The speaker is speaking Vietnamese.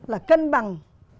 là cân bằng